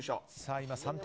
今、３点。